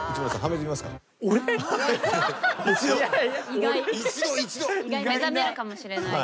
・目覚めるかもしれない。